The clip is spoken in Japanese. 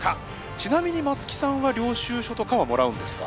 ちなみに松木さんは領収書とかはもらうんですか？